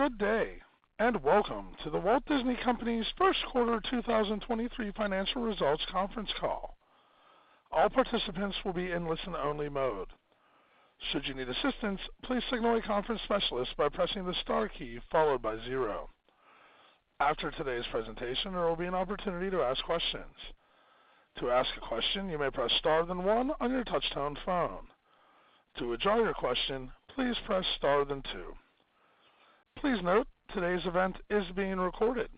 Good day, welcome to The Walt Disney Company's first quarter 2023 financial results conference call. All participants will be in listen-only mode. Should you need assistance, please signal a conference specialist by pressing the star key followed by zero. After today's presentation, there will be an opportunity to ask questions. To ask a question, you may press star then one on your touchtone phone. To withdraw your question, please press star then two. Please note today's event is being recorded.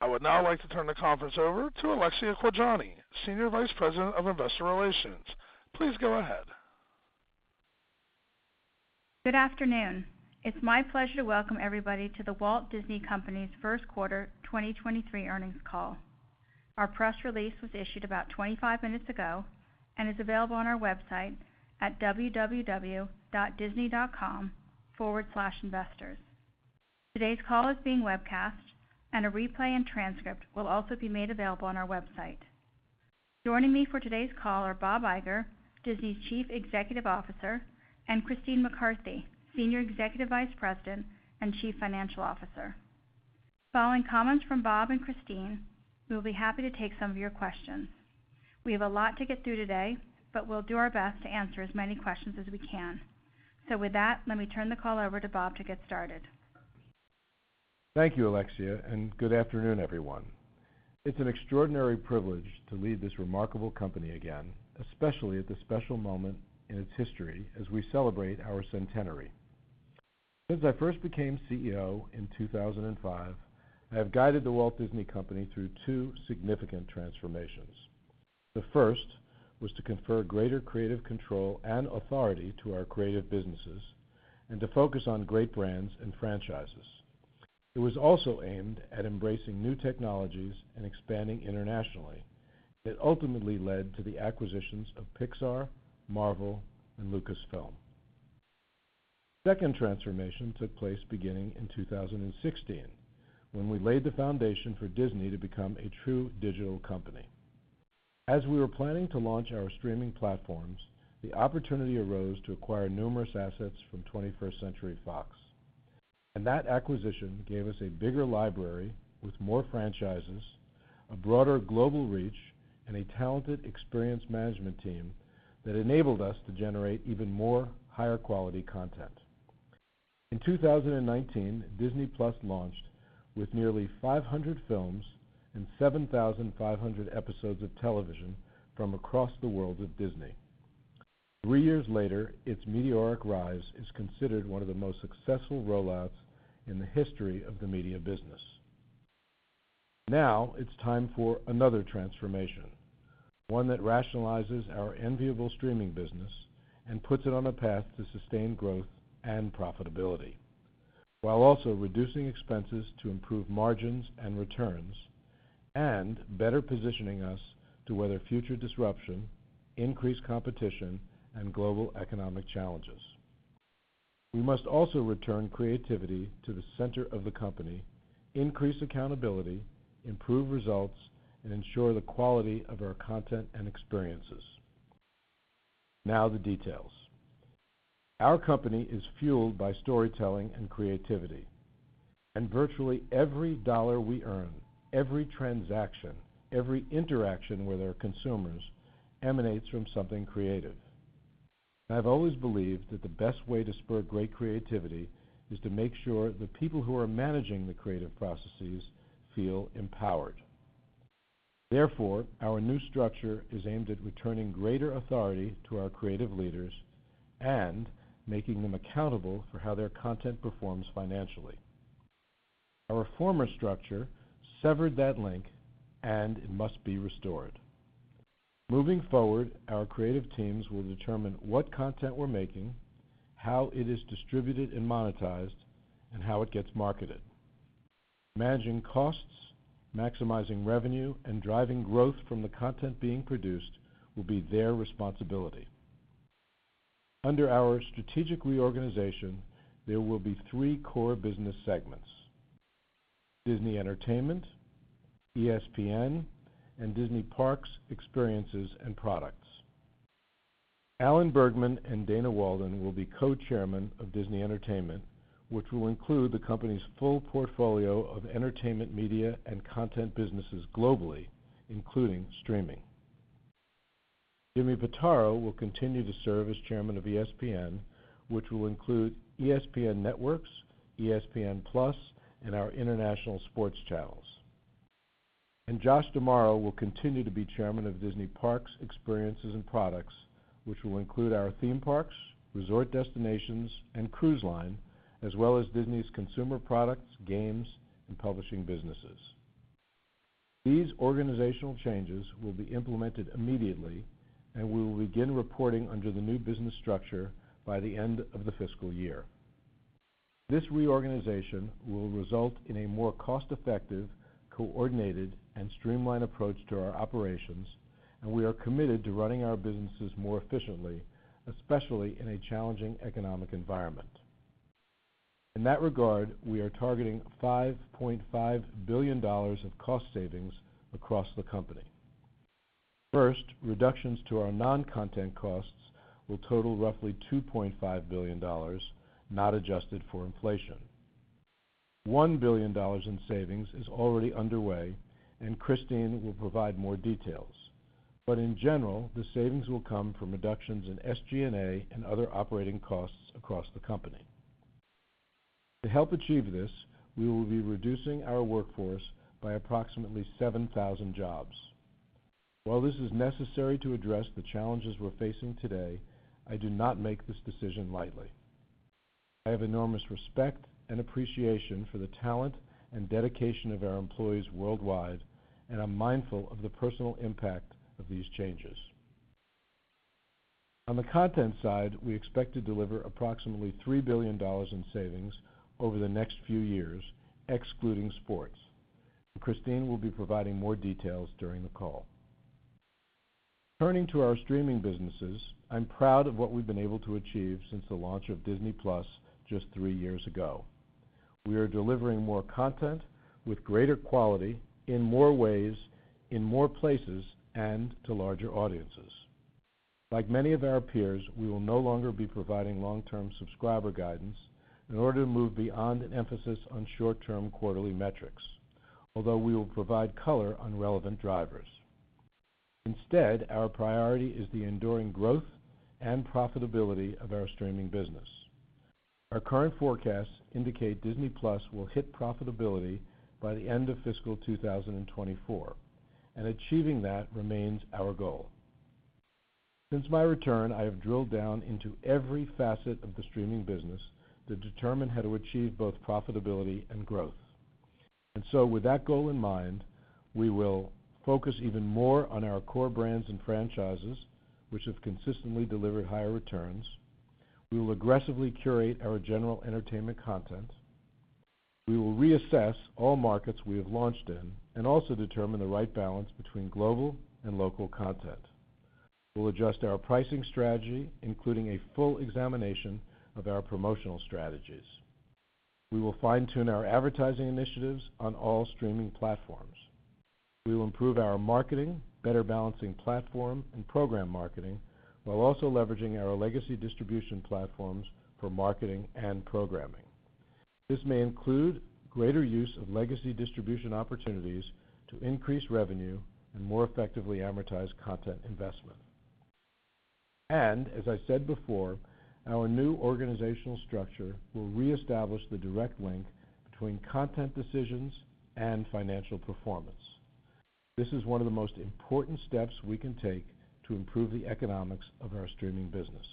I would now like to turn the conference over to Alexia Quadrani, Senior Vice President of Investor Relations. Please go ahead. Good afternoon. It's my pleasure to welcome everybody to The Walt Disney Company's first quarter 2023 earnings call. Our press release was issued about 25 minutes ago and is available on our website at www.disney.com/investors. Today's call is being webcast and a replay and transcript will also be made available on our website. Joining me for today's call are Bob Iger, Disney's Chief Executive Officer, and Christine McCarthy, Senior Executive Vice President and Chief Financial Officer. Following comments from Bob and Christine, we will be happy to take some of your questions. We have a lot to get through today, but we'll do our best to answer as many questions as we can. With that, let me turn the call over to Bob to get started. Thank you, Alexia. Good afternoon, everyone. It's an extraordinary privilege to lead this remarkable company again, especially at this special moment in its history as we celebrate our centenary. Since I first became CEO in 2005, I have guided The Walt Disney Company through two significant transformations. The first was to confer greater creative control and authority to our creative businesses and to focus on great brands and franchises. It was also aimed at embracing new technologies and expanding internationally that ultimately led to the acquisitions of Pixar, Marvel, and Lucasfilm. Second transformation took place beginning in 2016, when we laid the foundation for Disney to become a true digital company. As we were planning to launch our streaming platforms, the opportunity arose to acquire numerous assets from Twenty-First Century Fox. That acquisition gave us a bigger library with more franchises, a broader global reach, and a talented experienced management team that enabled us to generate even more higher quality content. In 2019, Disney+ launched with nearly 500 films and 7,500 episodes of television from across the world of Disney. Three years later, its meteoric rise is considered one of the most successful rollouts in the history of the media business. It's time for another transformation, one that rationalizes our enviable streaming business and puts it on a path to sustained growth and profitability, while also reducing expenses to improve margins and returns and better positioning us to weather future disruption, increased competition, and global economic challenges. We must also return creativity to the center of the company, increase accountability, improve results, and ensure the quality of our content and experiences. Now the details. Our company is fueled by storytelling and creativity, and virtually every dollar we earn, every transaction, every interaction with our consumers emanates from something creative. I've always believed that the best way to spur great creativity is to make sure the people who are managing the creative processes feel empowered. Therefore, our new structure is aimed at returning greater authority to our creative leaders and making them accountable for how their content performs financially. Our former structure severed that link and it must be restored. Moving forward, our creative teams will determine what content we're making, how it is distributed and monetized, and how it gets marketed. Managing costs, maximizing revenue, and driving growth from the content being produced will be their responsibility. Under our strategic reorganization, there will be three core business segments: Disney Entertainment, ESPN, and Disney Parks, Experiences, and Products. Alan Bergman and Dana Walden will be co-chairmen of Disney Entertainment, which will include the company's full portfolio of entertainment, media, and content businesses globally, including streaming. Jimmy Pitaro will continue to serve as chairman of ESPN, which will include ESPN Networks, ESPN+, and our international sports channels. Josh D'Amaro will continue to be chairman of Disney Parks, Experiences, and Products, which will include our theme parks, resort destinations, and cruise line, as well as Disney's consumer products, games, and publishing businesses. These organizational changes will be implemented immediately, and we will begin reporting under the new business structure by the end of the fiscal year. This reorganization will result in a more cost-effective, coordinated, and streamlined approach to our operations, and we are committed to running our businesses more efficiently, especially in a challenging economic environment. In that regard, we are targeting $5.5 billion of cost savings across the company. Reductions to our non-content costs will total roughly $2.5 billion, not adjusted for inflation. $1 billion in savings is already underway, and Christine will provide more details. In general, the savings will come from reductions in SG&A and other operating costs across the company. To help achieve this, we will be reducing our workforce by approximately 7,000 jobs. While this is necessary to address the challenges we're facing today, I did not make this decision lightly. I have enormous respect and appreciation for the talent and dedication of our employees worldwide, and I'm mindful of the personal impact of these changes. On the content side, we expect to deliver approximately $3 billion in savings over the next few years, excluding sports. Christine will be providing more details during the call. Turning to our streaming businesses, I'm proud of what we've been able to achieve since the launch of Disney+ just three years ago. We are delivering more content with greater quality in more ways, in more places, and to larger audiences. Like many of our peers, we will no longer be providing long-term subscriber guidance in order to move beyond an emphasis on short-term quarterly metrics, although we will provide color on relevant drivers. Instead, our priority is the enduring growth and profitability of our streaming business. Our current forecasts indicate Disney+ will hit profitability by the end of fiscal 2024, and achieving that remains our goal. Since my return, I have drilled down into every facet of the streaming business to determine how to achieve both profitability and growth. With that goal in mind, we will focus even more on our core brands and franchises, which have consistently delivered higher returns. We will aggressively curate our general entertainment content. We will reassess all markets we have launched in and also determine the right balance between global and local content. We'll adjust our pricing strategy, including a full examination of our promotional strategies. We will fine-tune our advertising initiatives on all streaming platforms. We will improve our marketing, better balancing platform and program marketing, while also leveraging our legacy distribution platforms for marketing and programming. This may include greater use of legacy distribution opportunities to increase revenue and more effectively amortize content investment. As I said before, our new organizational structure will reestablish the direct link between content decisions and financial performance. This is one of the most important steps we can take to improve the economics of our streaming business.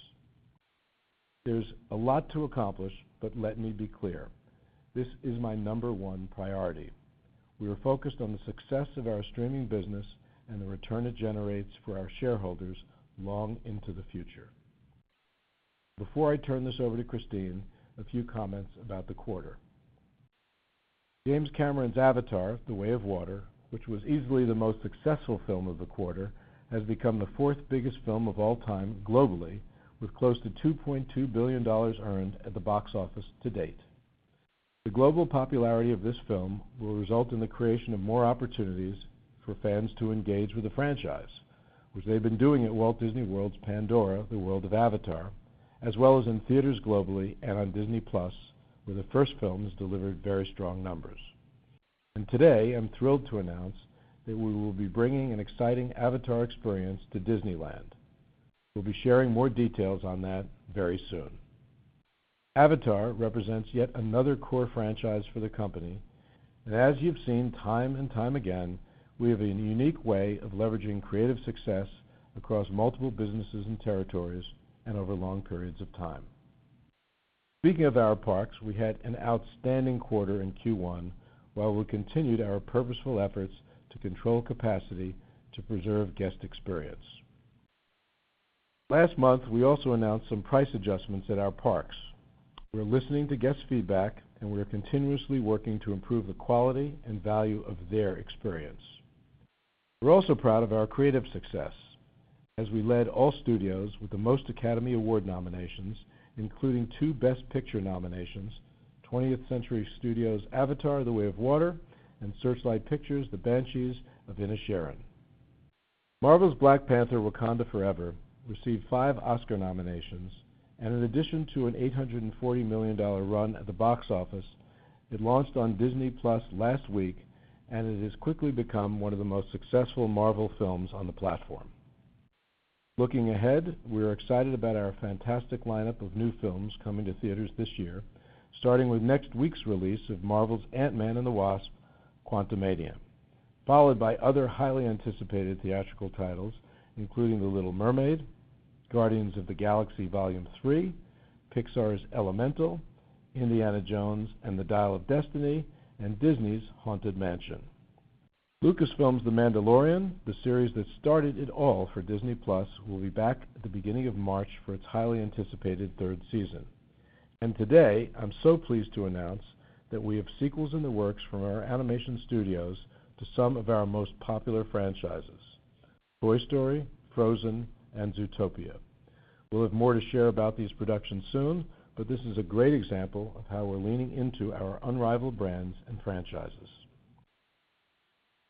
There's a lot to accomplish, but let me be clear, this is my number one priority. We are focused on the success of our streaming business and the return it generates for our shareholders long into the future. Before I turn this over to Christine, a few comments about the quarter. James Cameron's Avatar: The Way of Water, which was easily the most successful film of the quarter, has become the fourth biggest film of all time globally, with close to $2.2 billion earned at the box office to date. The global popularity of this film will result in the creation of more opportunities for fans to engage with the franchise, which they've been doing at Walt Disney World's Pandora – The World of Avatar, as well as in theaters globally and on Disney+, where the first films delivered very strong numbers. Today, I'm thrilled to announce that we will be bringing an exciting Avatar experience to Disneyland. We'll be sharing more details on that very soon. Avatar represents yet another core franchise for the company. As you've seen time and time again, we have a unique way of leveraging creative success across multiple businesses and territories and over long periods of time. Speaking of our parks, we had an outstanding quarter in Q1, while we continued our purposeful efforts to control capacity to preserve guest experience. Last month, we also announced some price adjustments at our parks. We're listening to guest feedback, and we are continuously working to improve the quality and value of their experience. We're also proud of our creative success as we led all studios with the most Academy Award nominations, including two Best Picture nominations, 20th Century Studios' Avatar: The Way of Water and Searchlight Pictures' The Banshees of Inisherin. Marvel's Black Panther: Wakanda Forever received five Oscar nominations, and in addition to a $840 million run at the box office, it launched on Disney+ last week, and it has quickly become one of the most successful Marvel films on the platform. Looking ahead, we're excited about our fantastic lineup of new films coming to theaters this year, starting with next week's release of Marvel's Ant-Man and the Wasp: Quantumania, followed by other highly anticipated theatrical titles, including The Little Mermaid, Guardians of the Galaxy Vol. 3, Pixar's Elemental, Indiana Jones and the Dial of Destiny, and Disney's Haunted Mansion. Lucasfilm's The Mandalorian, the series that started it all for Disney+, will be back at the beginning of March for its highly anticipated third season. Today, I'm so pleased to announce that we have sequels in the works from our animation studios to some of our most popular franchises, Toy Story, Frozen, and Zootopia. We'll have more to share about these productions soon, but this is a great example of how we're leaning into our unrivaled brands and franchises.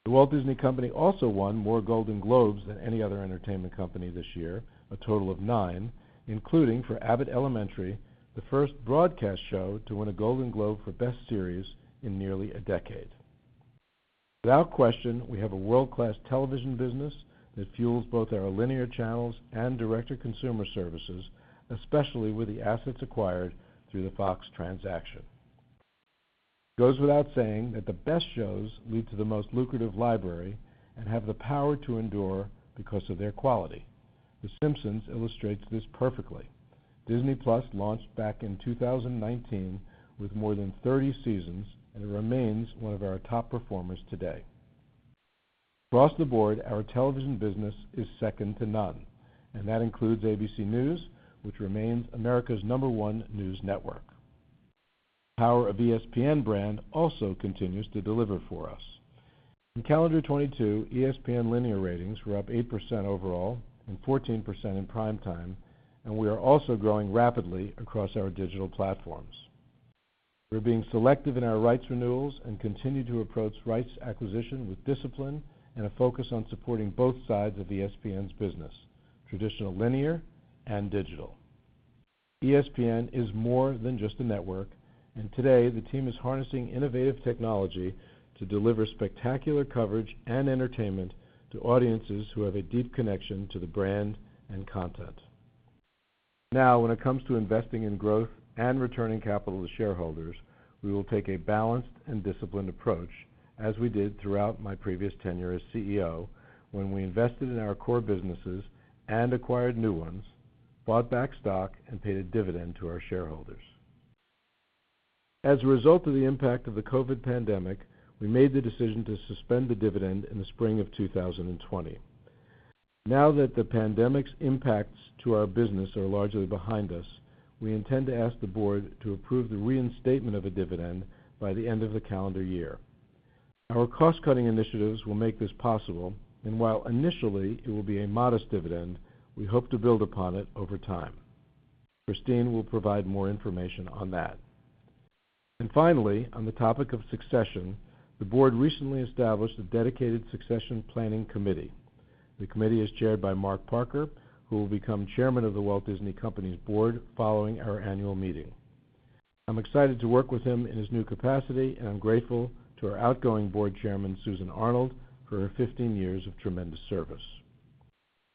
The Walt Disney Company also won more Golden Globes than any other entertainment company this year, a total of nine, including for Abbott Elementary, the first broadcast show to win a Golden Globe for Best Series in nearly a decade. Without question, we have a world-class television business that fuels both our linear channels and director consumer services, especially with the assets acquired through the Fox transaction. It goes without saying that the best shows lead to the most lucrative library and have the power to endure because of their quality. The Simpsons illustrates this perfectly. Disney+ launched back in 2019 with more than 30 seasons, and it remains one of our top performers today. Across the board, our television business is second to none, and that includes ABC News, which remains America's number one news network. The power of ESPN brand also continues to deliver for us. In calendar 22, ESPN linear ratings were up 8% overall and 14% in prime time, and we are also growing rapidly across our digital platforms. We're being selective in our rights renewals and continue to approach rights acquisition with discipline and a focus on supporting both sides of ESPN's business, traditional linear and digital. ESPN is more than just a network, and today, the team is harnessing innovative technology to deliver spectacular coverage and entertainment to audiences who have a deep connection to the brand and content. Now, when it comes to investing in growth and returning capital to shareholders, we will take a balanced and disciplined approach, as we did throughout my previous tenure as CEO when we invested in our core businesses and acquired new ones, bought back stock, and paid a dividend to our shareholders. As a result of the impact of the COVID pandemic, we made the decision to suspend the dividend in the spring of 2020. Now that the pandemic's impacts to our business are largely behind us, we intend to ask the board to approve the reinstatement of a dividend by the end of the calendar year. Our cost-cutting initiatives will make this possible, and while initially it will be a modest dividend, we hope to build upon it over time. Christine will provide more information on that. Finally, on the topic of succession, the board recently established a dedicated succession planning committee. The committee is chaired by Mark Parker, who will become chairman of The Walt Disney Company's board following our annual meeting. I'm excited to work with him in his new capacity, and I'm grateful to our outgoing board chairman, Susan Arnold, for her 15 years of tremendous service.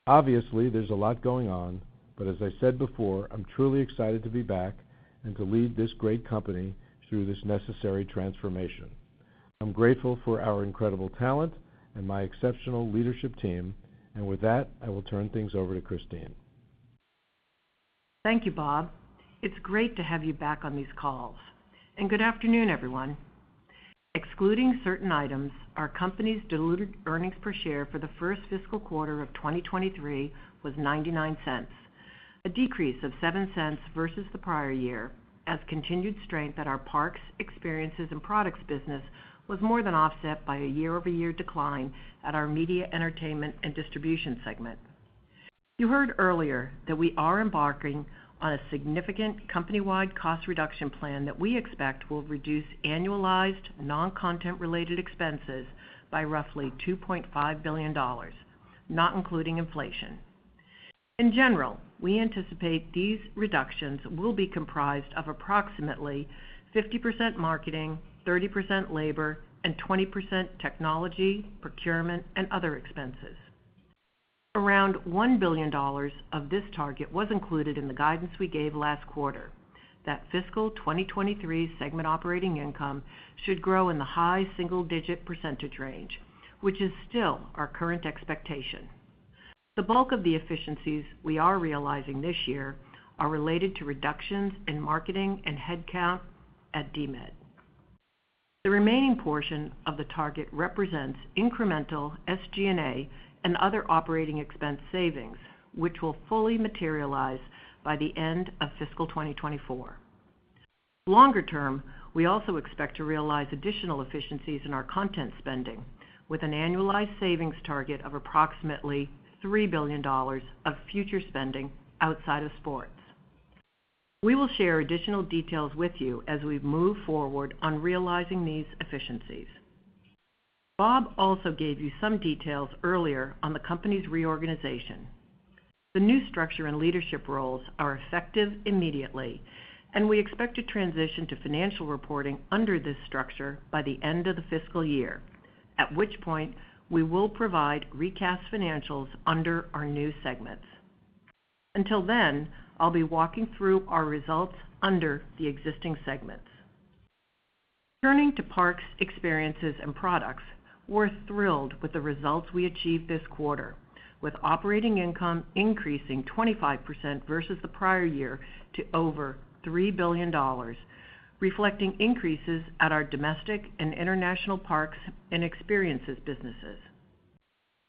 Obviously, there's a lot going on, but as I said before, I'm truly excited to be back and to lead this great company through this necessary transformation. I'm grateful for our incredible talent and my exceptional leadership team. With that, I will turn things over to Christine. Thank you, Bob. It's great to have you back on these calls. Good afternoon, everyone. Excluding certain items, our company's diluted earnings per share for the first fiscal quarter of 2023 was $0.99, a decrease of $0.07 versus the prior year, as continued strength at our Parks, Experiences, and Products business was more than offset by a year-over-year decline at our Media, Entertainment, and Distribution segment. You heard earlier that we are embarking on a significant company-wide cost reduction plan that we expect will reduce annualized non-content related expenses by roughly $2.5 billion, not including inflation. In general, we anticipate these reductions will be comprised of approximately 50% marketing, 30% labor, and 20% technology, procurement, and other expenses. Around $1 billion of this target was included in the guidance we gave last quarter that fiscal 2023's segment operating income should grow in the high single-digit % range, which is still our current expectation. The bulk of the efficiencies we are realizing this year are related to reductions in marketing and headcount at DMED. The remaining portion of the target represents incremental SG&A and other operating expense savings, which will fully materialize by the end of fiscal 2024. Longer term, we also expect to realize additional efficiencies in our content spending with an annualized savings target of approximately $3 billion of future spending outside of sports. We will share additional details with you as we move forward on realizing these efficiencies. Bob also gave you some details earlier on the company's reorganization. The new structure and leadership roles are effective immediately, we expect to transition to financial reporting under this structure by the end of the fiscal year, at which point we will provide recast financials under our new segments. Until then, I'll be walking through our results under the existing segments. Turning to Disney Parks, Experiences and Products, we're thrilled with the results we achieved this quarter, with operating income increasing 25% versus the prior year to over $3 billion, reflecting increases at our domestic and international parks and experiences businesses.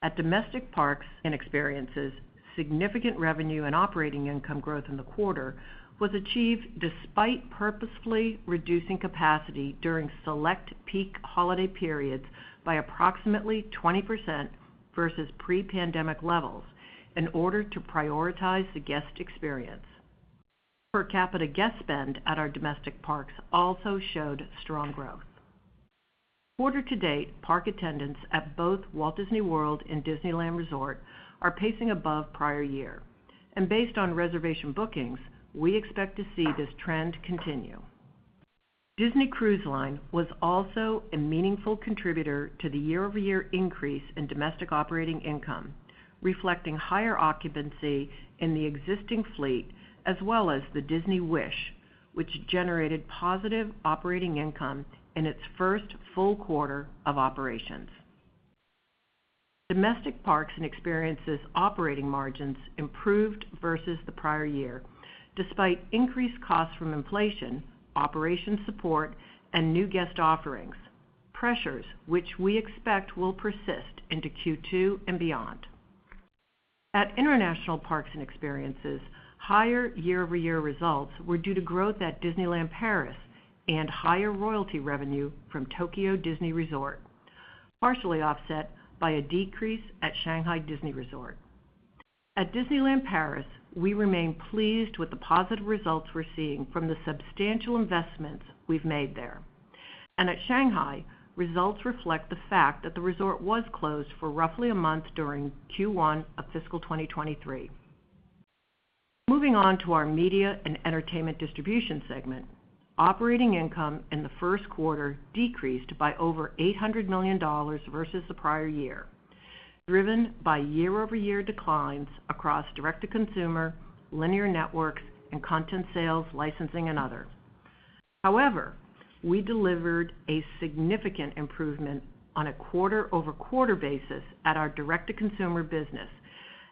At domestic parks and experiences, significant revenue and operating income growth in the quarter was achieved despite purposefully reducing capacity during select peak holiday periods by approximately 20% versus pre-pandemic levels in order to prioritize the guest experience. Per capita guest spend at our domestic parks also showed strong growth. Order to date, park attendance at both Walt Disney World and Disneyland Resort are pacing above prior year. Based on reservation bookings, we expect to see this trend continue. Disney Cruise Line was also a meaningful contributor to the year-over-year increase in domestic operating income, reflecting higher occupancy in the existing fleet as well as the Disney Wish, which generated positive operating income in its first full quarter of operations. Domestic parks and experiences operating margins improved versus the prior year, despite increased costs from inflation, operation support and new guest offerings, pressures which we expect will persist into Q2 and beyond. At international parks and experiences, higher year-over-year results were due to growth at Disneyland Paris and higher royalty revenue from Tokyo Disney Resort, partially offsetby a decrease at Shanghai Disney Resort. At Disneyland Paris, we remain pleased with the positive results we're seeing from the substantial investments we've made there. At Shanghai, results reflect the fact that the resort was closed for roughly a month during Q1 of fiscal 2023. Moving on to our media and entertainment distribution segment, operating income in the first quarter decreased by over $800 million versus the prior year, driven by year-over-year declines across direct-to-consumer, linear networks, and content sales, licensing and other. However, we delivered a significant improvement on a quarter-over-quarter basis at our direct-to-consumer business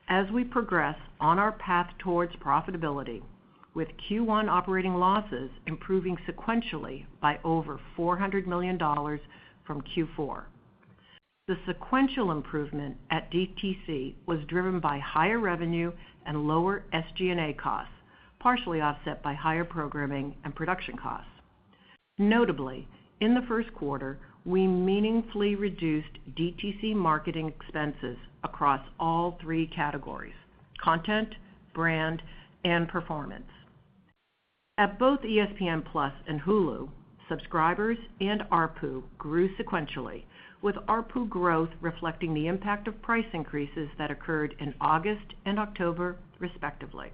as we progress on our path towards profitability, with Q1 operating losses improving sequentially by over $400 million from Q4. The sequential improvement at DTC was driven by higher revenue and lower SG&A costs, partially offset by higher programming and production costs. Notably, in the first quarter, we meaningfully reduced DTC marketing expenses across all three categories: content, brand, and performance. At both ESPN+ and Hulu, subscribers and ARPU grew sequentially, with ARPU growth reflecting the impact of price increases that occurred in August and October respectively.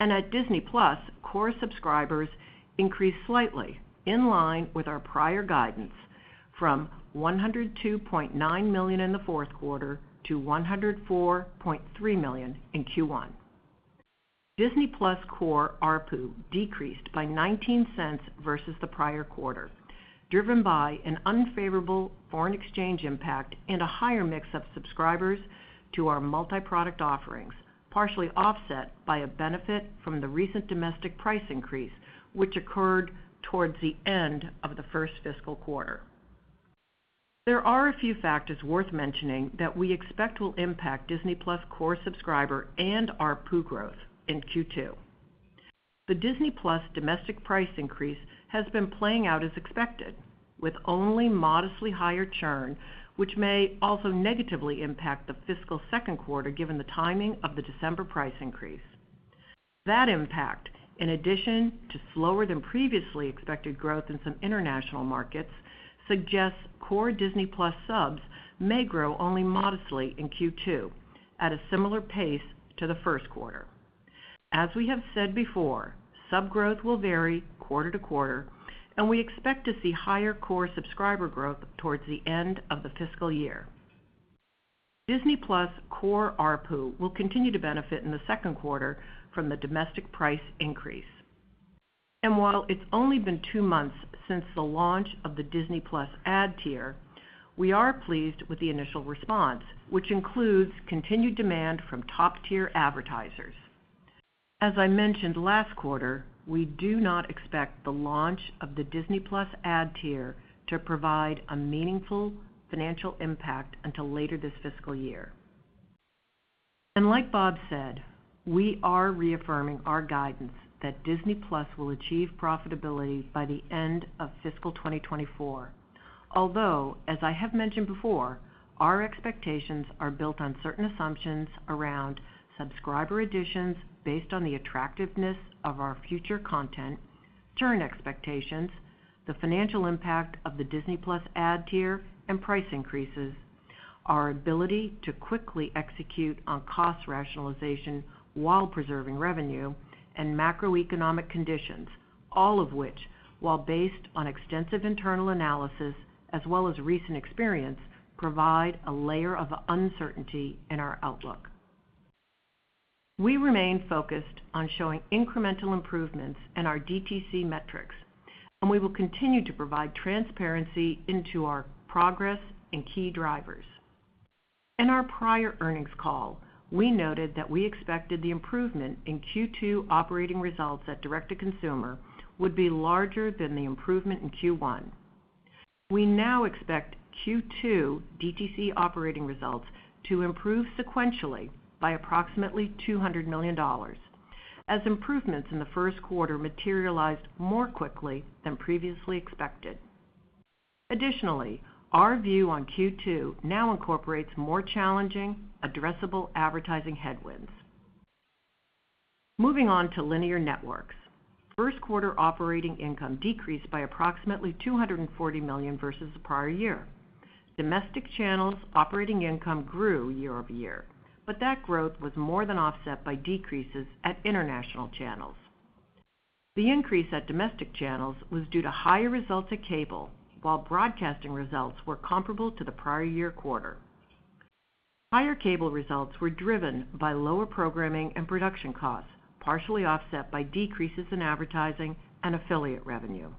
At Disney+, core subscribers increased slightly in line with our prior guidance from 102.9 million in the fourth quarter to 104.3 million in Q1. Disney+ core ARPU decreased by $0.19 versus the prior quarter, driven by an unfavorable foreign exchange impact and a higher mix of subscribers to our multi-product offerings, partially offset by a benefit from the recent domestic price increase, which occurred towards the end of the first fiscal quarter. There are a few factors worth mentioning that we expect will impact Disney+ core subscriber and ARPU growth in Q2. The Disney+ domestic price increase has been playing out as expected, with only modestly higher churn, which may also negatively impact the fiscal second quarter given the timing of the December price increase. That impact, in addition to slower than previously expected growth in some international markets, suggests core Disney+ subs may grow only modestly in Q2 at a similar pace to the first quarter. As we have said before, sub growth will vary quarter to quarter, and we expect to see higher core subscriber growth towards the end of the fiscal year. Disney+ core ARPU will continue to benefit in the second quarter from the domestic price increase. While it's only been two months since the launch of the Disney+ ad tier, we are pleased with the initial response, which includes continued demand from top-tier advertisers. As I mentioned last quarter, we do not expect the launch of the Disney+ ad tier to provide a meaningful financial impact until later this fiscal year. Like Bob said, we are reaffirming our guidance that Disney+ will achieve profitability by the end of fiscal 2024. Although, as I have mentioned before, our expectations are built on certain assumptions around subscriber additions based on the attractiveness of our future content, churn expectations, the financial impact of the Disney+ ad tier and price increases, our ability to quickly execute on cost rationalization while preserving revenue and macroeconomic conditions, all of which, while based on extensive internal analysis as well as recent experience, provide a layer of uncertainty in our outlook. We remain focused on showing incremental improvements in our DTC metrics, and we will continue to provide transparency into our progress and key drivers. In our prior earnings call, we noted that we expected the improvement in Q2 operating results at direct-to-consumer would be larger than the improvement in Q1. We now expect Q2 DTC operating results to improve sequentially by approximately $200 million, as improvements in the first quarter materialized more quickly than previously expected. Additionally, our view on Q2 now incorporates more challenging addressable advertising headwinds. Moving on to linear networks. First quarter operating income decreased by approximately $240 million versus the prior year. Domestic channels operating income grew year-over-year, but that growth was more than offset by decreases at international channels. The increase at domestic channels was due to higher results at cable, while broadcasting results were comparable to the prior year quarter. Higher cable results were driven by lower programming and production costs, partially offset by decreases in advertising and affiliate revenue.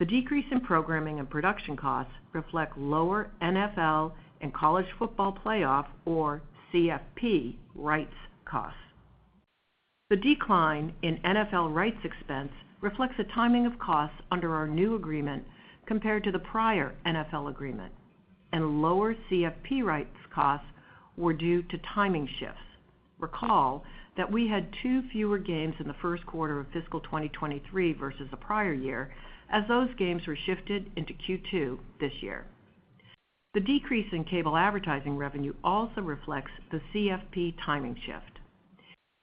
The decrease in programming and production costs reflect lower NFL and College Football Playoff, or CFP, rights costs. The decline in NFL rights expense reflects the timing of costs under our new agreement compared to the prior NFL agreement, and lower CFP rights costs were due to timing shifts. Recall that we had two fewer games in the first quarter of fiscal 2023 versus the prior year, as those games were shifted into Q2 this year. The decrease in cable advertising revenue also reflects the CFP timing shift.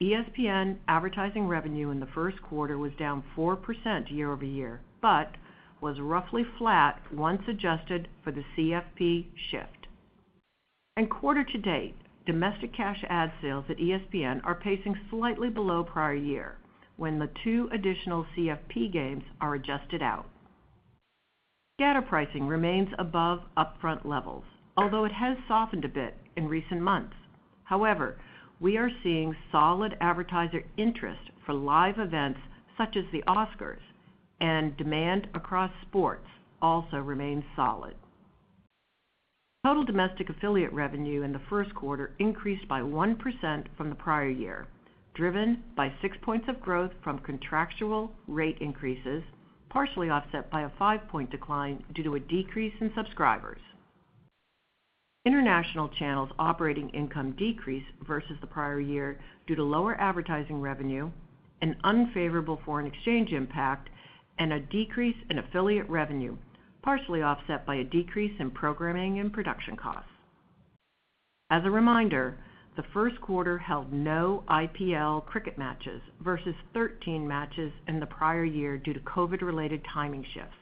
ESPN advertising revenue in the first quarter was down 4% year-over-year, but was roughly flat once adjusted for the CFP shift. Quarter-to-date, domestic cash ad sales at ESPN are pacing slightly below prior year when the two additional CFP games are adjusted out. Scatter pricing remains above upfront levels, although it has softened a bit in recent months. We are seeing solid advertiser interest for live events such as the Oscars, and demand across sports also remains solid. Total domestic affiliate revenue in the first quarter increased by 1% from the prior year, driven by 6 points of growth from contractual rate increases, partially offset by a point decline due to a decrease in subscribers. International channels operating income decreased versus the prior year due to lower advertising revenue, an unfavorable foreign exchange impact, and a decrease in affiliate revenue, partially offset by a decrease in programming and production costs. As a reminder, the first quarter held no IPL cricket matches versus 13 matches in the prior year due to COVID-related timing shifts.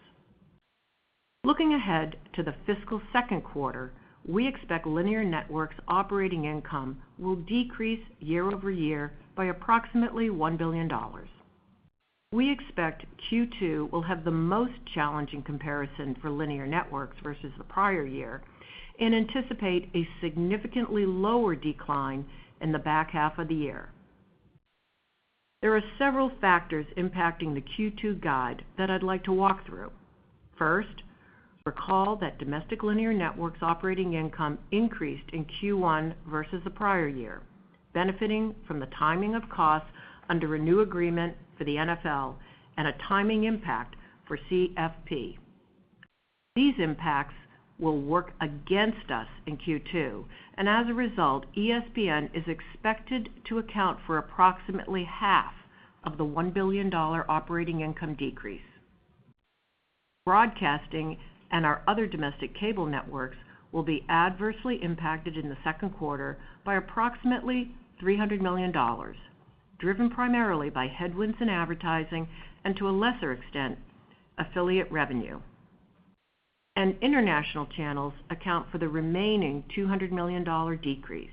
Looking ahead to the fiscal second quarter, we expect linear networks operating income will decrease year-over-year by approximately $1 billion. We expect Q2 will have the most challenging comparison for linear networks versus the prior year and anticipate a significantly lower decline in the back half of the year. There are several factors impacting the Q2 guide that I'd like to walk through. First, recall that domestic linear networks operating income increased in Q1 versus the prior year, benefiting from the timing of costs under a new agreement for the NFL and a timing impact for CFP. These impacts will work against us in Q2, and as a result, ESPN is expected to account for approximately half of the one billion dollar operating income decrease. Broadcasting and our other domestic cable networks will be adversely impacted in the second quarter by approximately $300 million, driven primarily by headwinds in advertising and to a lesser extent, affiliate revenue. International channels account for the remaining $200 million decrease.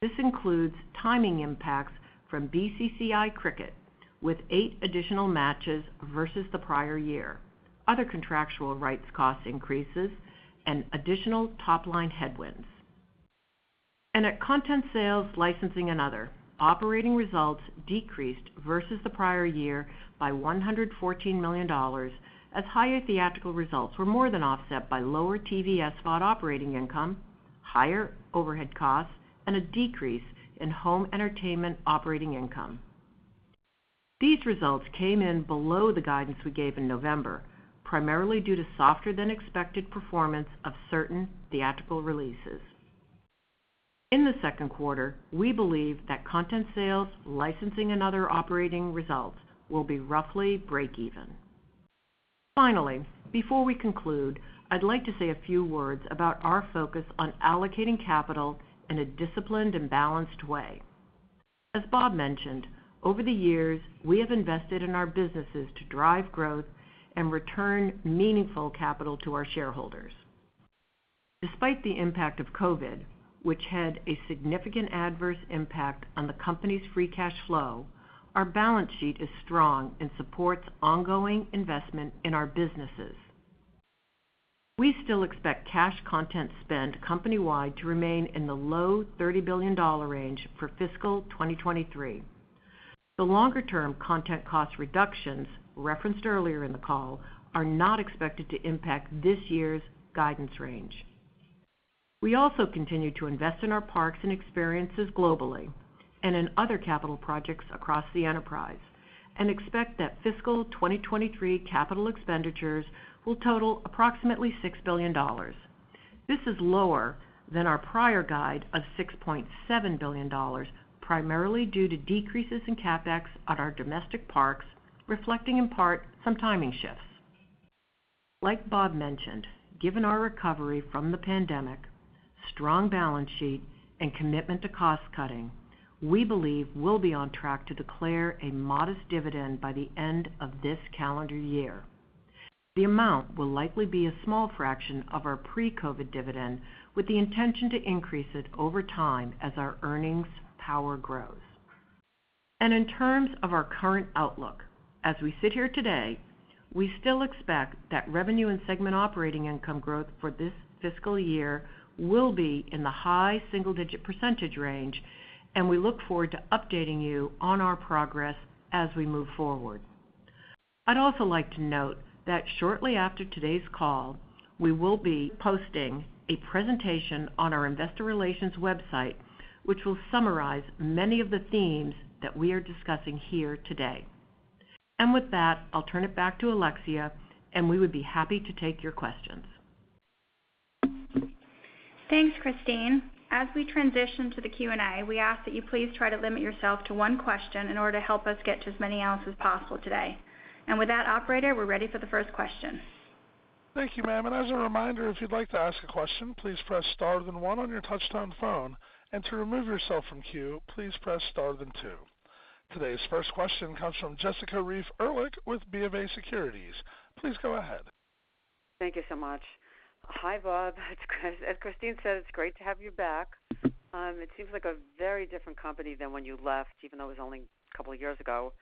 This includes timing impacts from BCCI cricket with eight additional matches versus the prior year. Other contractual rights cost increases and additional top-line headwinds. At content sales, licensing and other, operating results decreased versus the prior year by $114 million as higher theatrical results were more than offset by lower TVS spot operating income, higher overhead costs, and a decrease in home entertainment operating income. These results came in below the guidance we gave in November, primarily due to softer-than-expected performance of certain theatrical releases. In the second quarter, we believe that content sales, licensing and other operating results will be roughly break even. Before we conclude, I'd like to say a few words about our focus on allocating capital in a disciplined and balanced way. As Bob mentioned, over the years, we have invested in our businesses to drive growth and return meaningful capital to our shareholders. Despite the impact of COVID, which had a significant adverse impact on the company's free cash flow, our balance sheet is strong and supports ongoing investment in our businesses. We still expect cash content spend company-wide to remain in the low $30 billion range for fiscal 2023. The longer-term content cost reductions referenced earlier in the call are not expected to impact this year's guidance range. We also continue to invest in our parks and experiences globally and in other capital projects across the enterprise and expect that fiscal 2023 capital expenditures will total approximately $6 billion. This is lower than our prior guide of $6.7 billion, primarily due to decreases in CapEx at our domestic parks, reflecting in part some timing shifts. Like Bob mentioned, given our recovery from the pandemic, strong balance sheet and commitment to cost cutting, we believe we'll be on track to declare a modest dividend by the end of this calendar year. The amount will likely be a small fraction of our pre-COVID dividend, with the intention to increase it over time as our earnings power grows. In terms of our current outlook, as we sit here today, we still expect that revenue and segment operating income growth for this fiscal year will be in the high single-digit percentage range, and we look forward to updating you on our progress as we move forward. I'd also like to note that shortly after today's call, we will be posting a presentation on our investor relations website, which will summarize many of the themes that we are discussing here today. With that, I'll turn it back to Alexia, and we would be happy to take your questions. Thanks, Christine. As we transition to the Q&A, we ask that you please try to limit yourself to one question in order to help us get to as many as possible today. With that, operator, we're ready for the first question. Thank you, ma'am. As a reminder, if you'd like to ask a question, please press star then one on your touchtone phone. To remove yourself from queue, please press star then two. Today's first question comes from Jessica Reif Ehrlich with BofA Securities. Please go ahead. Thank you so much. Hi, Bob. It's great. As Christine said, it's great to have you back. It seems like a very different company than when you left, even though it was only a couple of years ago,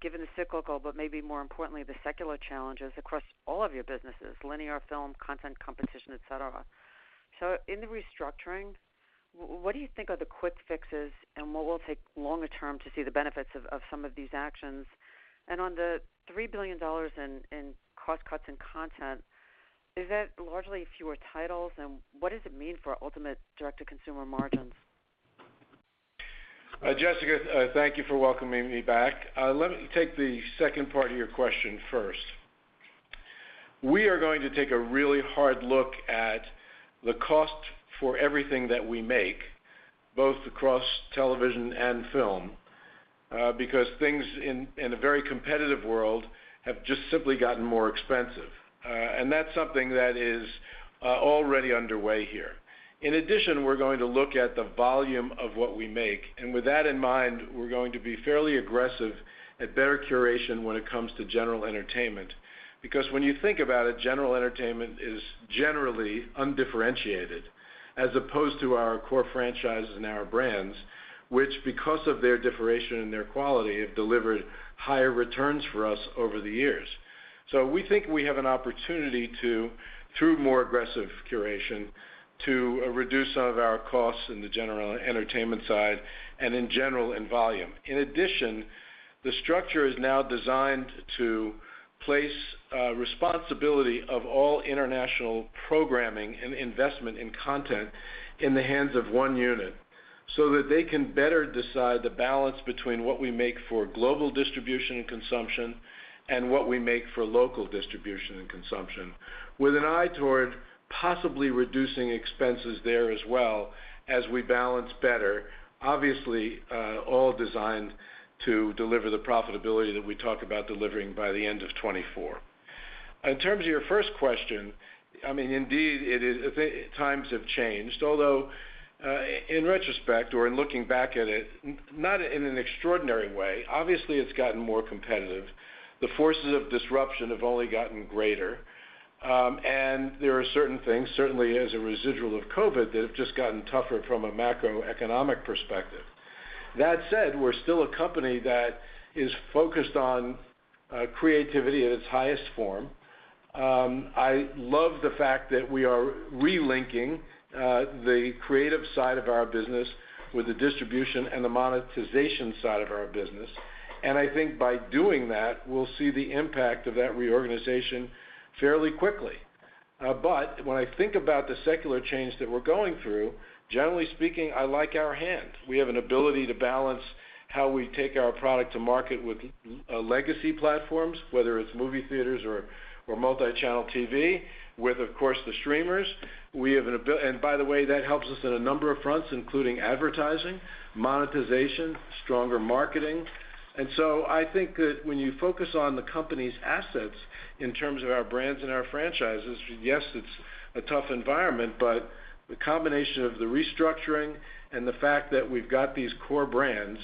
given the cyclical, but maybe more importantly, the secular challenges across all of your businesses, linear film, content, competition, et cetera. In the restructuring, what do you think are the quick fixes and what will take longer term to see the benefits of some of these actions? On the $3 billion in cost cuts in content, is that largely fewer titles? What does it mean for ultimate direct-to-consumer margins? Jessica, thank you for welcoming me back. Let me take the second part of your question first. We are going to take a really hard look at the cost for everything that we make, both across television and film, because things in a very competitive world have just simply gotten more expensive. That's something that is already underway here. In addition, we're going to look at the volume of what we make, and with that in mind, we're going to be fairly aggressive at better curation when it comes to general entertainment. When you think about it, general entertainment is generally undifferentiated as opposed to our core franchises and our brands, which, because of their differentiation and their quality, have delivered higher returns for us over the years. We think we have an opportunity to, through more aggressive curation, to reduce some of our costs in the general entertainment side and in general in volume. In addition, the structure is now designed to place responsibility of all international programming and investment in content in the hands of one unit, so that they can better decide the balance between what we make for global distribution and consumption and what we make for local distribution and consumption, with an eye toward possibly reducing expenses there as well as we balance better. Obviously, all designed to deliver the profitability that we talk about delivering by the end of 2024. In terms of your first question, I mean, indeed, times have changed. Although, in retrospect or in looking back at it, not in an extraordinary way, obviously, it's gotten more competitive. The forces of disruption have only gotten greater. There are certain things, certainly as a residual of COVID, that have just gotten tougher from a macroeconomic perspective. That said, we're still a company that is focused on creativity at its highest form. I love the fact that we are relinking the creative side of our business with the distribution and the monetization side of our business. I think by doing that, we'll see the impact of that reorganization fairly quickly. When I think about the secular change that we're going through, generally speaking, I like our hand. We have an ability to balance how we take our product to market with legacy platforms, whether it's movie theaters or multi-channel TV, with, of course, the streamers. By the way, that helps us in a number of fronts, including advertising, monetization, stronger marketing. I think that when you focus on the company's assets in terms of our brands and our franchises, yes, it's a tough environment, but the combination of the restructuring and the fact that we've got these core brands,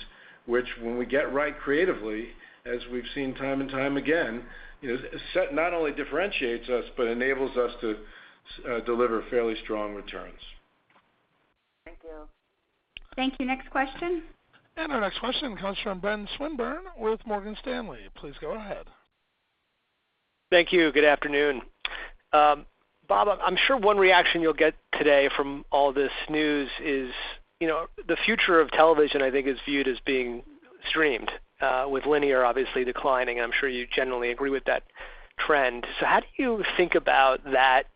which when we get right creatively, as we've seen time and time again, you know, not only differentiates us, but enables us to deliver fairly strong returns. Thank you. Thank you. Next question. Our next question comes from Ben Swinburne with Morgan Stanley. Please go ahead. Thank you. Good afternoon. Bob, I'm sure one reaction you'll get today from all this news is, you know, the future of television, I think, is viewed as being streamed, with linear obviously declining. I'm sure you generally agree with that trend. How do you think about that,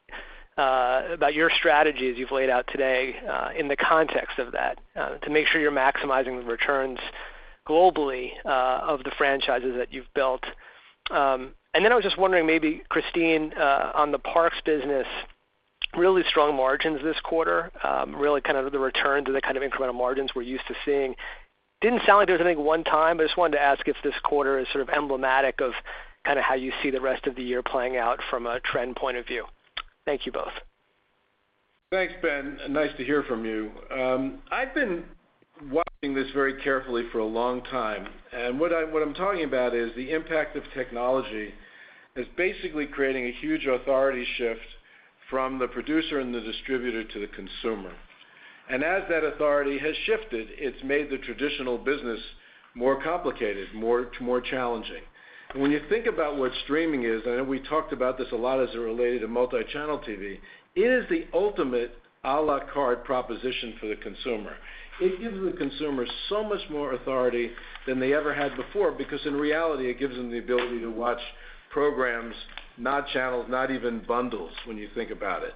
about your strategy as you've laid out today, in the context of that, to make sure you're maximizing the returns? Globally, of the franchises that you've built. I was just wondering maybe Christine, on the parks business, really strong margins this quarter, really kind of the return to the kind of incremental margins we're used to seeing. Didn't sound like there's anything one-time, but just wanted to ask if this quarter is sort of emblematic of kinda how you see the rest of the year playing out from a trend point of view? Thank you both. Thanks, Ben. Nice to hear from you. I've been watching this very carefully for a long time. What I'm talking about is the impact of technology is basically creating a huge authority shift from the producer and the distributor to the consumer. As that authority has shifted, it's made the traditional business more complicated, more challenging. When you think about what streaming is, I know we talked about this a lot as it related to multi-channel TV, it is the ultimate à la carte proposition for the consumer. It gives the consumer so much more authority than they ever had before because in reality it gives them the ability to watch programs, not channels, not even bundles when you think about it.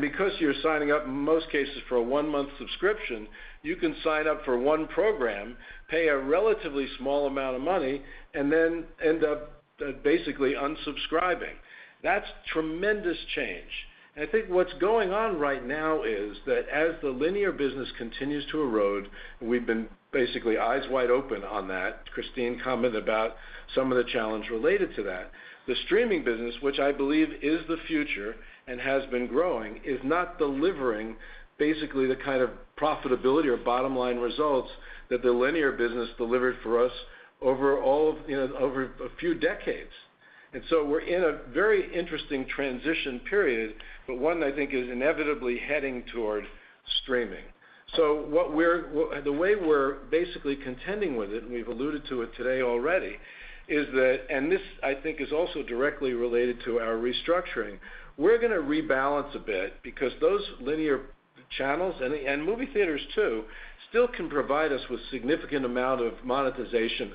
Because you're signing up in most cases for a one month subscription, you can sign up for one program, pay a relatively small amount of money and then end up basically unsubscribing. That's tremendous change. I think what's going on right now is that as the linear business continues to erode, we've been basically eyes wide open on that. Christine commented about some of the challenge related to that. The streaming business, which I believe is the future and has been growing, is not delivering basically the kind of profitability or bottom-line results that the linear business delivered for us over all of, you know, over a few decades. We're in a very interesting transition period, but one that I think is inevitably heading toward streaming. The way we're basically contending with it, and we've alluded to it today already, is that, This I think is also directly related to our restructuring. We're gonna rebalance a bit because those linear channels and movie theaters too still can provide us with significant amount of monetization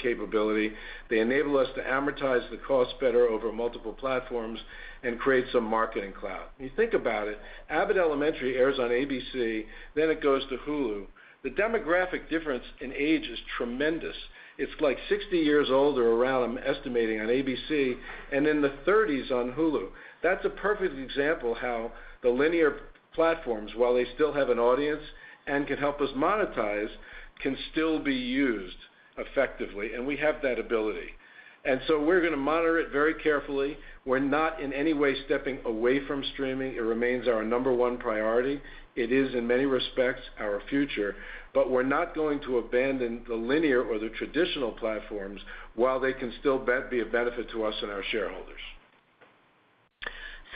capability. They enable us to amortize the cost better over multiple platforms and create some marketing clout. When you think about it, Abbott Elementary airs on ABC, then it goes to Hulu. The demographic difference in age is tremendous. It's like 60 years old or around, I'm estimating, on ABC and in the 30s on Hulu. That's a perfect example how the linear platforms, while they still have an audience and can help us monetize, can still be used effectively, and we have that ability. We're gonna monitor it very carefully. We're not in any way stepping away from streaming. It remains our number 1 priority. It is in many respects our future. We're not going to abandon the linear or the traditional platforms while they can still be a benefit to us and our shareholders.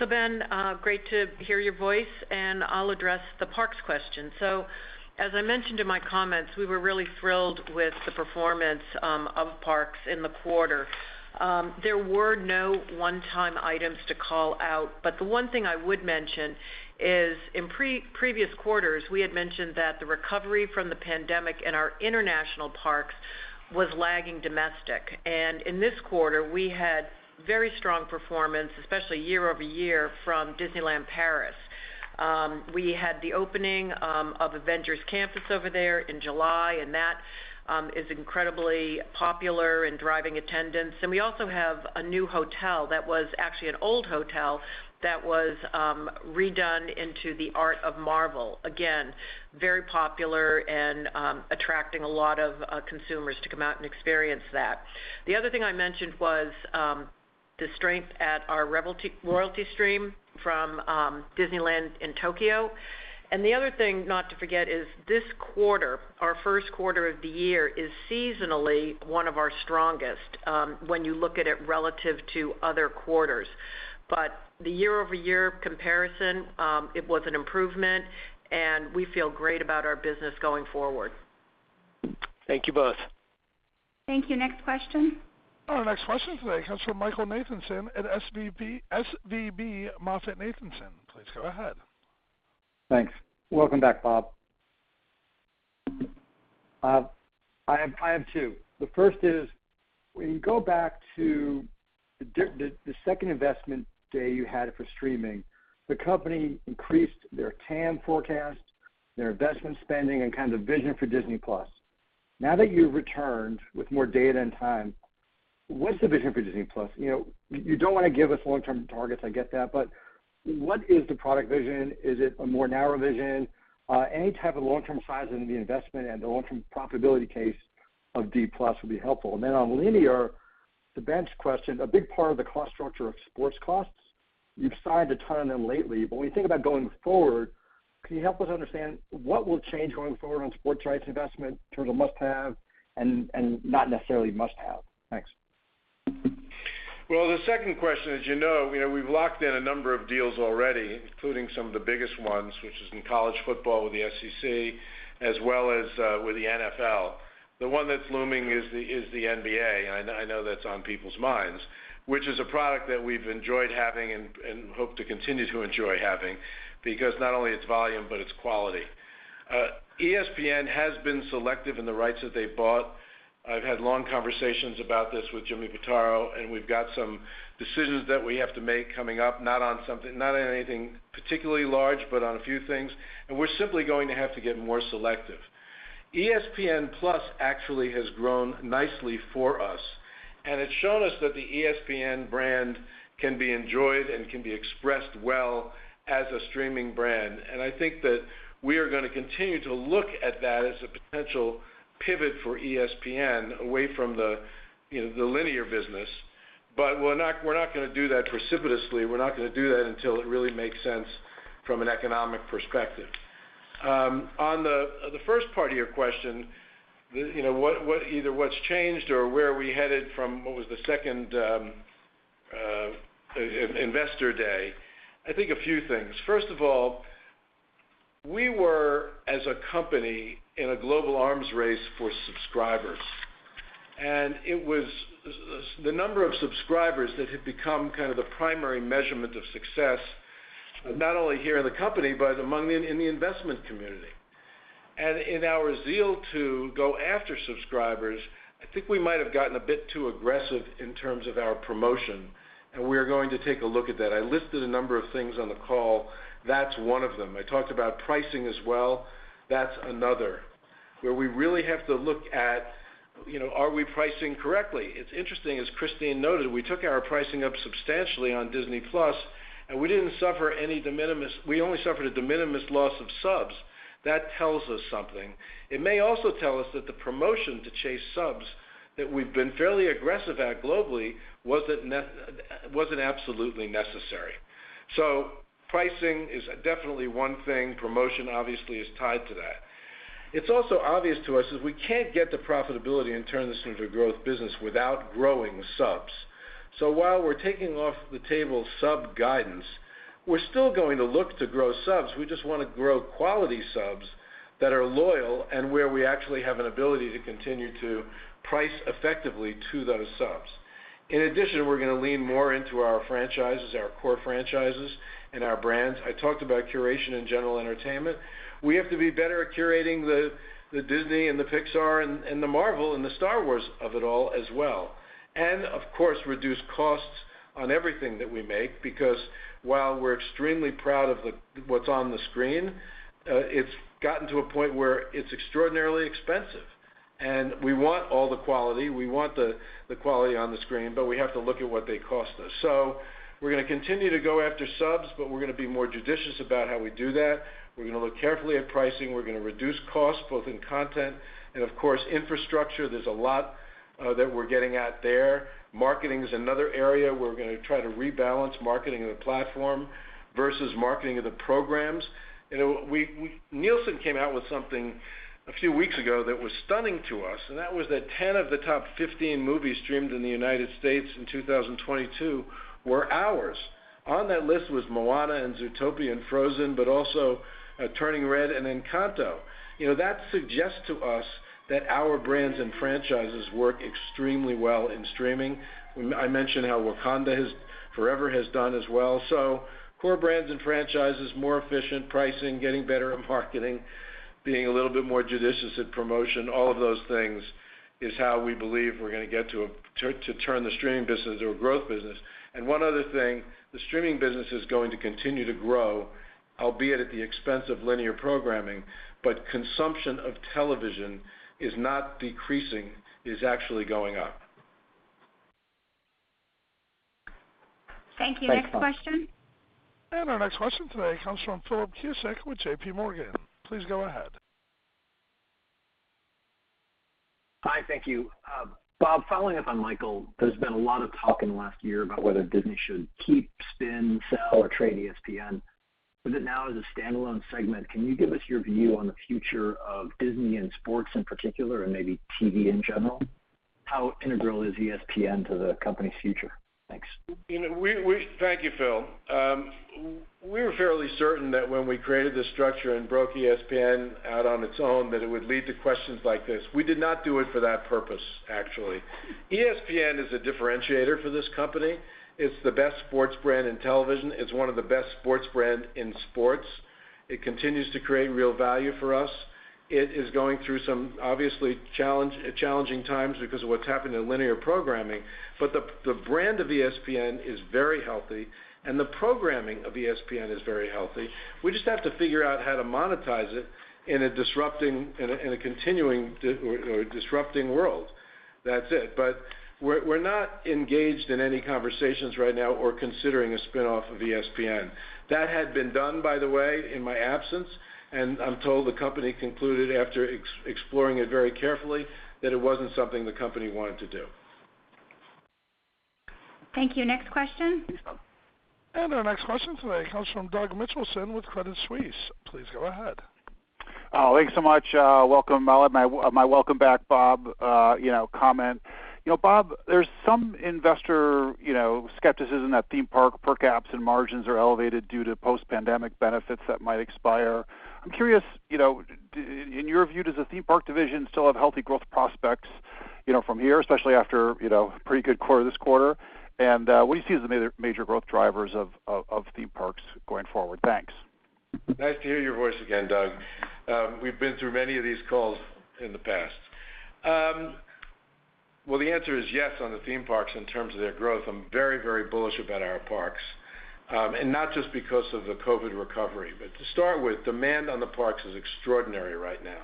Ben, great to hear your voice, and I'll address the parks question. As I mentioned in my comments, we were really thrilled with the performance of parks in the quarter. There were no one-time items to call out, but the one thing I would mention is in previous quarters, we had mentioned that the recovery from the pandemic in our international parks was lagging domestic. In this quarter, we had very strong performance, especially year-over-year from Disneyland Paris. We had the opening of Avengers Campus over there in July, and that is incredibly popular and driving attendance. We also have a new hotel that was actually an old hotel that was redone into the Art of Marvel. Again, very popular and attracting a lot of consumers to come out and experience that. The other thing I mentioned was, the strength at our royalty stream from Disneyland in Tokyo. The other thing not to forget is this quarter, our first quarter of the year, is seasonally one of our strongest, when you look at it relative to other quarters. The year-over-year comparison, it was an improvement and we feel great about our business going forward. Thank you both. Thank you. Next question. Our next question today comes from Michael Nathanson at SVB MoffettNathanson. Please go ahead. Thanks. Welcome back, Bob. I have two. The first is, when you go back to the second investment day you had for streaming, the company increased their TAM forecast, their investment spending and kind of the vision for Disney+. Now that you've returned with more data and time, what's the vision for Disney+? You know, you don't wanna give us long-term targets, I get that, but what is the product vision? Is it a more narrow vision? Any type of long-term size in the investment and the long-term profitability case of D+ would be helpful. On linear, to Ben's question, a big part of the cost structure of sports costs, you've signed a ton of them lately, but when you think about going forward, can you help us understand what will change going forward on sports rights investment in terms of must-have and not necessarily must-have? Thanks. Well, the second question, as you know, we've locked in a number of deals already, including some of the biggest ones, which is in college football with the SEC as well as with the NFL. The one that's looming is the NBA, and I know that's on people's minds, which is a product that we've enjoyed having and hope to continue to enjoy having because not only its volume but its quality. ESPN has been selective in the rights that they've bought. I've had long conversations about this with Jimmy Pitaro, and we've got some decisions that we have to make coming up, not on anything particularly large, but on a few things, and we're simply going to have to get more selective. ESPN+ actually has grown nicely for us, and it's shown us that the ESPN brand can be enjoyed and can be expressed well as a streaming brand. I think that we are gonna continue to look at that as a potential pivot for ESPN away from the, you know, the linear business. We're not gonna do that precipitously. We're not gonna do that until it really makes sense from an economic perspective. On the first part of your question, the, you know, what either what's changed or where are we headed from what was the second investor day. I think a few things. First of all, we were, as a company, in a global arms race for subscribers. It was the number of subscribers that had become kind of the primary measurement of success, not only here in the company, but among in the investment community. In our zeal to go after subscribers, I think we might have gotten a bit too aggressive in terms of our promotion, and we are going to take a look at that. I listed a number of things on the call. That's one of them. I talked about pricing as well. That's another. Where we really have to look at, you know, are we pricing correctly? It's interesting, as Christine noted, we took our pricing up substantially on Disney+, and we didn't suffer any de minimis. We only suffered a de minimis loss of subs. That tells us something. It may also tell us that the promotion to chase subs that we've been fairly aggressive at globally wasn't absolutely necessary. Pricing is definitely one thing. Promotion, obviously, is tied to that. It's also obvious to us is we can't get the profitability and turn this into a growth business without growing subs. While we're taking off the table sub guidance, we're still going to look to grow subs. We just wanna grow quality subs that are loyal and where we actually have an ability to continue to price effectively to those subs. In addition, we're gonna lean more into our franchises, our core franchises and our brands. I talked about curation and general entertainment. We have to be better at curating the Disney and the Pixar and the Marvel and the Star Wars of it all as well. Of course, reduce costs on everything that we make because while we're extremely proud of the what's on the screen, it's gotten to a point where it's extraordinarily expensive. We want all the quality, we want the quality on the screen, but we have to look at what they cost us. We're gonna continue to go after subs, but we're gonna be more judicious about how we do that. We're gonna look carefully at pricing. We're gonna reduce costs, both in content and, of course, infrastructure. There's a lot that we're getting at there. Marketing is another area we're gonna try to rebalance marketing of the platform versus marketing of the programs. You know, we Nielsen came out with something a few weeks ago that was stunning to us, and that was that 10 of the top 15 movies streamed in the United States in 2022 were ours. On that list was Moana and Zootopia and Frozen, but also Turning Red and Encanto. You know, that suggests to us that our brands and franchises work extremely well in streaming. I mentioned how Wakanda Forever has done as well. Core brands and franchises, more efficient pricing, getting better in marketing, being a little bit more judicious at promotion, all of those things is how we believe we're gonna get to turn the streaming business or growth business. One other thing, the streaming business is going to continue to grow, albeit at the expense of linear programming, but consumption of television is not decreasing. It is actually going up. Thank you. Next question. Our next question today comes from Philip Cusick with JP Morgan. Please go ahead. Hi. Thank you. Bob, following up on Michael, there's been a lot of talk in the last year about whether Disney should keep, spin, sell, or trade ESPN. With it now as a standalone segment, can you give us your view on the future of Disney and sports in particular and maybe TV in general? How integral is ESPN to the company's future? Thanks. You know, we Thank you, Phil. We're fairly certain that when we created this structure and broke ESPN out on its own, that it would lead to questions like this. We did not do it for that purpose, actually. ESPN is a differentiator for this company. It's the best sports brand in television. It's one of the best sports brand in sports. It continues to create real value for us. It is going through some, obviously challenging times because of what's happened in linear programming. The, the brand of ESPN is very healthy, and the programming of ESPN is very healthy. We just have to figure out how to monetize it in a disrupting in a, in a continuing or disrupting world. That's it. We're, we're not engaged in any conversations right now or considering a spinoff of ESPN. That had been done, by the way, in my absence. I'm told the company concluded after exploring it very carefully, that it wasn't something the company wanted to do. Thank you. Next question. Our next question today comes from Douglas Mitchelson with Credit Suisse. Please go ahead. Thanks so much. Welcome. I'll have my welcome back, Bob, you know, comment. You know, Bob, there's some investor, you know, skepticism that theme park per caps and margins are elevated due to post-pandemic benefits that might expire. I'm curious, you know, in your view, does the theme park division still have healthy growth prospects, you know, from here, especially after, you know, pretty good quarter this quarter? What do you see as the major growth drivers of theme parks going forward? Thanks. Nice to hear your voice again, Doug. We've been through many of these calls in the past. Well, the answer is yes on the theme parks in terms of their growth. I'm very, very bullish about our parks, and not just because of the COVID recovery. To start with, demand on the parks is extraordinary right now.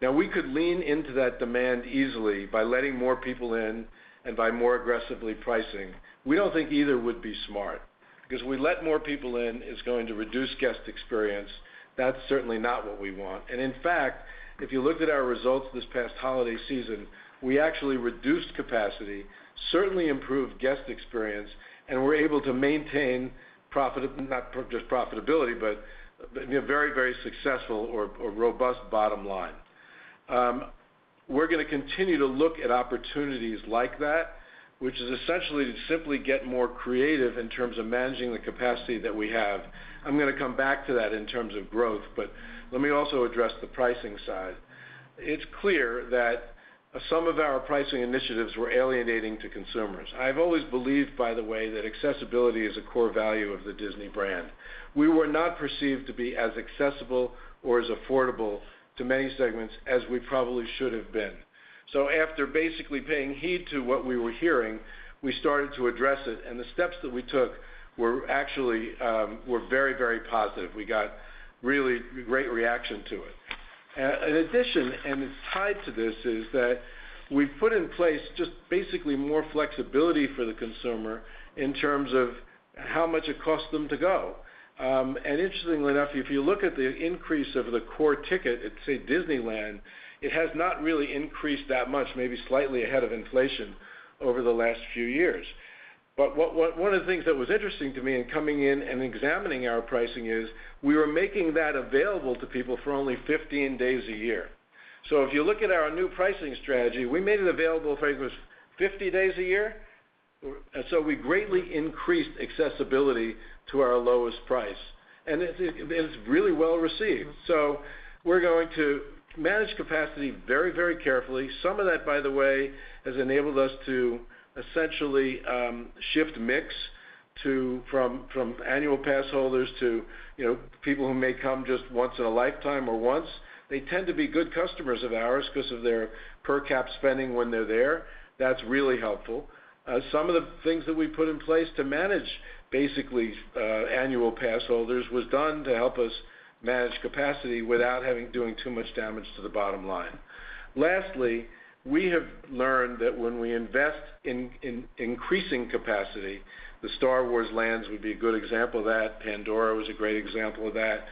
Now we could lean into that demand easily by letting more people in and by more aggressively pricing. We don't think either would be smart because we let more people in is going to reduce guest experience. That's certainly not what we want. In fact, if you looked at our results this past holiday season, we actually reduced capacity, certainly improved guest experience, and we're able to maintain not just profitability but very, very successful or robust bottom line. We're gonna continue to look at opportunities like that, which is essentially to simply get more creative in terms of managing the capacity that we have. I'm gonna come back to that in terms of growth. Let me also address the pricing side. It's clear that some of our pricing initiatives were alienating to consumers. I've always believed, by the way, that accessibility is a core value of the Disney brand. We were not perceived to be as accessible or as affordable to many segments as we probably should have been. After basically paying heed to what we were hearing, we started to address it. The steps that we took were actually very positive. We got really great reaction to it. In addition, it's tied to this, is that we've put in place just basically more flexibility for the consumer in terms of how much it costs them to go. Interestingly enough, if you look at the increase of the core ticket at, say, Disneyland, it has not really increased that much, maybe slightly ahead of inflation over the last few years. One of the things that was interesting to me in coming in and examining our pricing is we were making that available to people for only 15 days a year. If you look at our new pricing strategy, we made it available, I think it was 50 days a year. We greatly increased accessibility to our lowest price. It's really well received. We're going to manage capacity very, very carefully. Some of that, by the way, has enabled us to essentially, shift mix from annual pass holders to, you know, people who may come just once in a lifetime or once. They tend to be good customers of ours because of their per cap spending when they're there. That's really helpful. Some of the things that we put in place to manage basically, annual pass holders was done to help us manage capacity without doing too much damage to the bottom line. Lastly, we have learned that when we invest in increasing capacity, the Star Wars lands would be a good example of that, Pandora was a great example of that,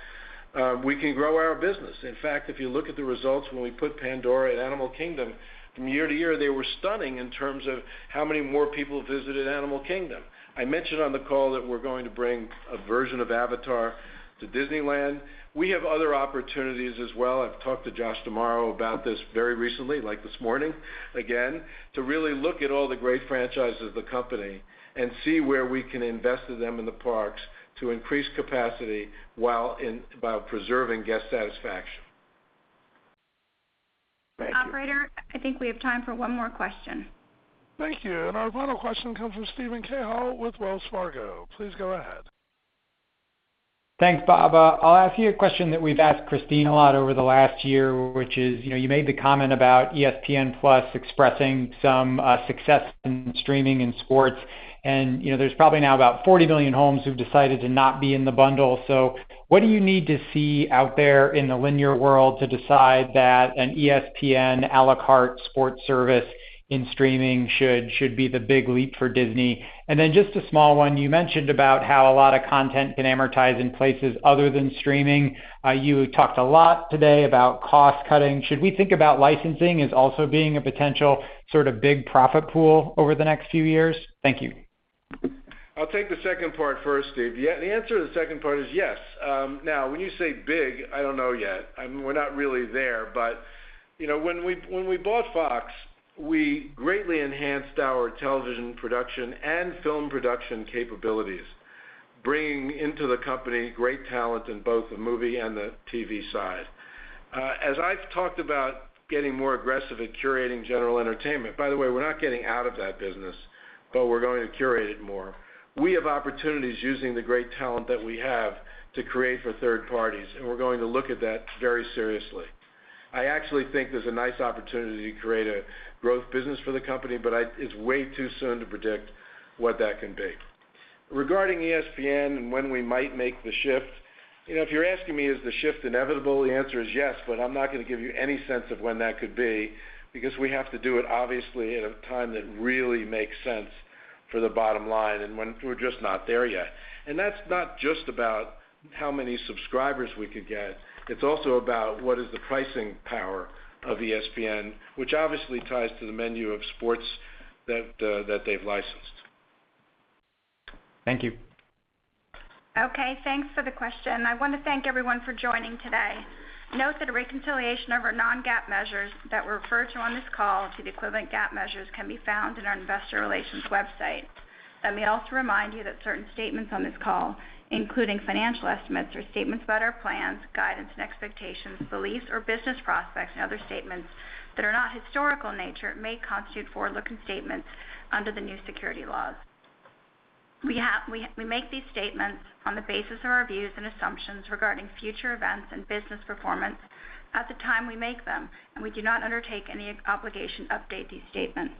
we can grow our business. In fact, if you look at the results when we put Pandora at Animal Kingdom from year to year, they were stunning in terms of how many more people visited Animal Kingdom. I mentioned on the call that we're going to bring a version of Avatar to Disneyland. We have other opportunities as well. I've talked to Josh D'Amaro about this very recently, like this morning, again, to really look at all the great franchises of the company and see where we can invest in them in the parks to increase capacity while preserving guest satisfaction. Thank you. Operator, I think we have time for one more question. Thank you. Our final question comes from Steven Cahall with Wells Fargo. Please go ahead. Thanks, Bob. I'll ask you a question that we've asked Christine a lot over the last year, which is, you know, you made the comment about ESPN+ expressing some success in streaming in sports. You know, there's probably now about 40 million homes who've decided to not be in the bundle. What do you need to see out there in the linear world to decide that an ESPN à la carte sports service in streaming should be the big leap for Disney? Then just a small one. You mentioned about how a lot of content can amortize in places other than streaming. You talked a lot today about cost cutting. Should we think about licensing as also being a potential sort of big profit pool over the next few years? Thank you. I'll take the second part first, Steve. Yeah, the answer to the second part is yes. Now when you say big, I don't know yet. I mean, we're not really there. You know, when we bought Fox, we greatly enhanced our television production and film production capabilities, bringing into the company great talent in both the movie and the TV side. As I've talked about getting more aggressive at curating general entertainment, by the way, we're not getting out of that business, we're going to curate it more. We have opportunities using the great talent that we have to create for third parties, and we're going to look at that very seriously. I actually think there's a nice opportunity to create a growth business for the company, it's way too soon to predict what that can be. Regarding ESPN and when we might make the shift, you know, if you're asking me is the shift inevitable? The answer is yes, but I'm not gonna give you any sense of when that could be because we have to do it obviously at a time that really makes sense for the bottom line and when we're just not there yet. That's not just about how many subscribers we could get. It's also about what is the pricing power of ESPN, which obviously ties to the menu of sports that they've licensed. Thank you. Okay, thanks for the question. I want to thank everyone for joining today. Note that a reconciliation of our non-GAAP measures that were referred to on this call to the equivalent GAAP measures can be found in our investor relations website. Let me also remind you that certain statements on this call, including financial estimates or statements about our plans, guidance and expectations, beliefs or business prospects and other statements that are not historical in nature may constitute forward-looking statements under the new Securities laws. We make these statements on the basis of our views and assumptions regarding future events and business performance at the time we make them, we do not undertake any obligation to update these statements.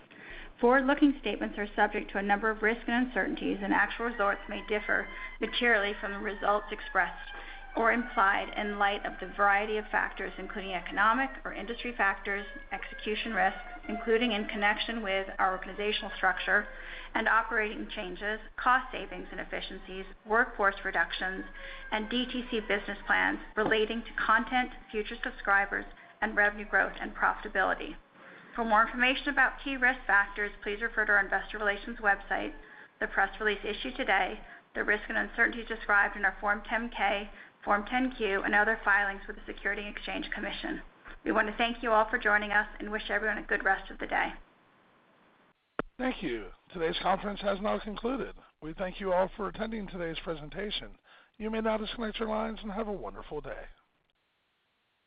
Forward-looking statements are subject to a number of risks and uncertainties, and actual results may differ materially from the results expressed or implied in light of the variety of factors, including economic or industry factors, execution risks, including in connection with our organizational structure and operating changes, cost savings and efficiencies, workforce reductions, and DTC business plans relating to content, future subscribers, and revenue growth and profitability. For more information about key risk factors, please refer to our investor relations website, the press release issued today, the risk and uncertainties described in our Form 10-K, Form 10-Q, and other filings with the Securities and Exchange Commission. We want to thank you all for joining us and wish everyone a good rest of the day. Thank you. Today's conference has now concluded. We thank you all for attending today's presentation. You may now disconnect your lines and have a wonderful day.